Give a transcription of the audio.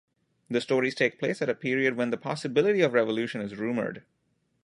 The stories take place at a period when the possibility of revolution is rumoured.